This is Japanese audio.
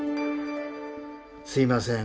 すみません